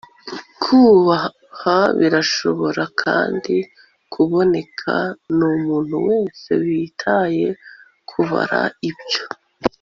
kubaha. birashobora kandi kuboneka, numuntu wese witaye kubara, ibyo